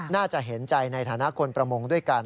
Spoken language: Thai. น่าจะเห็นใจในฐานะคนประมงด้วยกัน